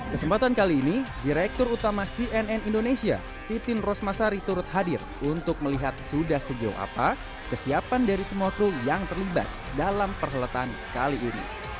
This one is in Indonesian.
kesempatan kali ini direktur utama cnn indonesia titin rosmasari turut hadir untuk melihat sudah sejauh apa kesiapan dari semua kru yang terlibat dalam perhelatan kali ini